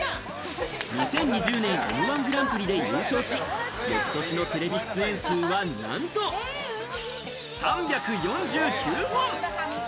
２０２０年、Ｍ−１グランプリで優勝し、翌年のテレビ出演数は、なんと３４９本。